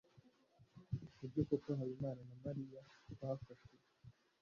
Nibyo koko Habimana na Mariya bafashwe?